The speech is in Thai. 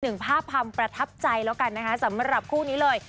หนึ่งภาพความประทับใจแล้วกันนะคะสำหรับคู่นี้เลย